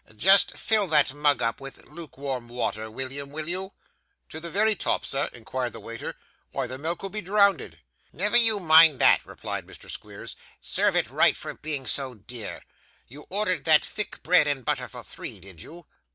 'Just fill that mug up with lukewarm water, William, will you?' 'To the wery top, sir?' inquired the waiter. 'Why, the milk will be drownded.' 'Never you mind that,' replied Mr. Squeers. 'Serve it right for being so dear. You ordered that thick bread and butter for three, did you?